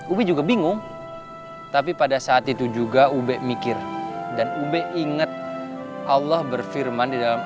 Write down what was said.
ubi juga bingung tapi pada saat itu juga ube mikir dan ubek ingat allah berfirman di dalam